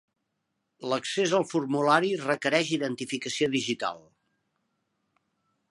L'accés al formulari requereix identificació digital.